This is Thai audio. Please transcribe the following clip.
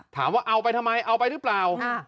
ถามว่าเอาไปทำไมเอาไปหรือเปล่า